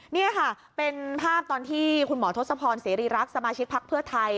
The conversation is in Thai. นี่ค่ะเป็นภาพตอนที่คุณหมอทศพรเสรีรักษ์สมาชิกพักเพื่อไทย